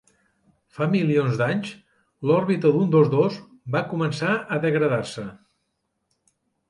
Fa milions d'anys, l'òrbita d'un dels dos va començar a degradar-se.